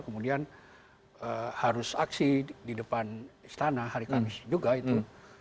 kemudian harus aksi di depan istana hari kamis juga itu